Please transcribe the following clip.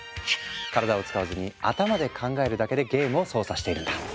体を使わずに頭で考えるだけでゲームを操作しているんだ。